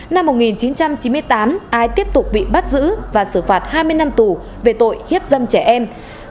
năm một nghìn chín trăm chín mươi tám ai tiếp tục bị bắt giữ và xử phạt hai mươi năm tù về tội hiếp dâm trẻ em